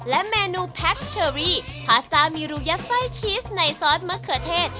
และเมนูแพ็คเชอรี่พาสต้ามีรูยัดไส้ชีสในซอสมะเขือเทศ